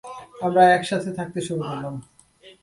আমরা একসাথে থাকতে শুরু করলাম।